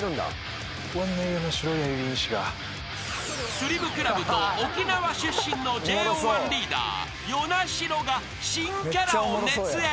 ［スリムクラブと沖縄出身のＪＯ１リーダー與那城が新キャラを熱演］